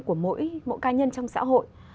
của mỗi cá nhân trong xã hội